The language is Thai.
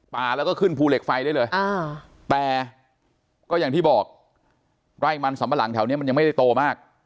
แล้วก็ขึ้นภูเหล็กไฟได้เลยแต่ก็อย่างที่บอกไร่มันสัมปะหลังแถวนี้มันยังไม่ได้โตมาก